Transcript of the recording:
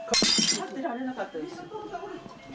立ってられなかったです。